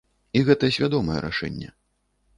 І гэта свядомае рашэнне.